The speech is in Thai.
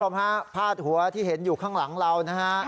คุณผู้ชมฮะพาดหัวที่เห็นอยู่ข้างหลังเรานะฮะ